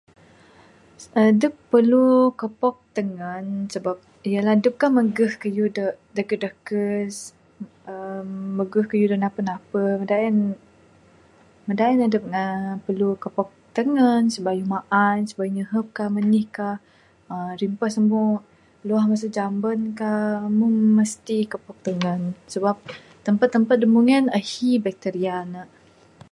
Edep perlu kepok tengan sebab, ya lah edep kan megeh keyuh de dekes-dekes uhh megeh keyuh de napeh-napeh meda en, meda en dep ne perlu kepok tengan, sebayuh maan, sebayuh nyihup ka menih ka, uhh rimpas mu, luah mesu jamban ka, mu mesti kepok tengan, sebab tempat-tempat de mung en ehi bakteria ne.